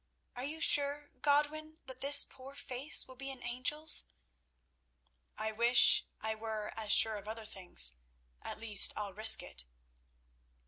Are you sure, Godwin, that this poor face will be an angel's?" "I wish I were as sure of other things. At least I'll risk it."